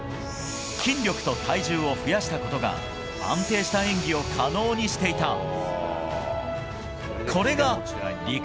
筋力と体重を増やしたことが安定した演技を可能にしていた。